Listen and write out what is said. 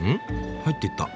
入っていった。